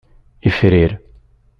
Ifrir.